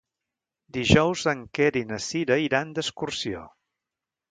Dijous en Quer i na Cira iran d'excursió.